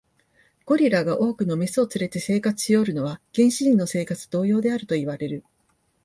ゴリラが多くの牝を連れて生活しおるのは、原始人の生活と同様であるといわれる。